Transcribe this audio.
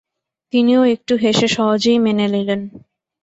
তিনিও একটু হেসে সহজেই মেনে নিলেন।